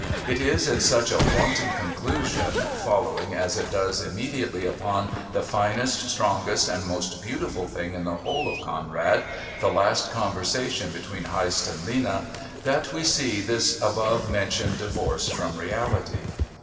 It is in such a wanton conclusion, following as it does immediately upon the finest, strongest and most beautiful thing in the whole of Conrad the last conversation between Heyst and Lena that we see this above mentioned divorce from reality.